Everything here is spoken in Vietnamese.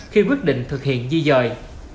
khi quyết định thực hiện di dời